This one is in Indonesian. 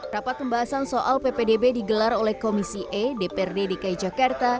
rapat pembahasan soal ppdb digelar oleh komisi e dprd dki jakarta